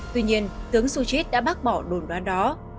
tuy nhiên tướng su chit đã bác bỏ đồn đoán đó